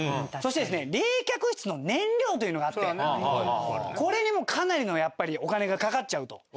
そしてですね冷却室の燃料というのがあってこれにもかなりのやっぱりお金がかかっちゃうと。